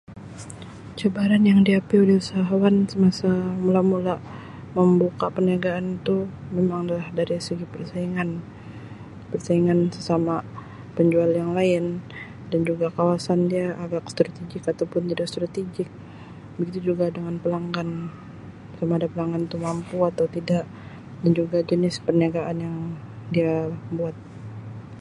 Cabaran yang [unintelligible] oleh usahawan semasa mula-mula membuka perniagaan itu memanglah dari segi persaingan, persaingan sesama penjual yang lain dan juga kawasan dia agak strategik ataupun tidak strategik. Begitu juga dengan pelanggan, sama ada pelanggan tu mampu atau tidak dan juga jenis perniagaan yang dia buat.